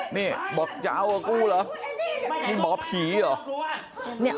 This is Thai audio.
นี่บอกจะเอากับกูเหรอนี่หมอผีเหรอ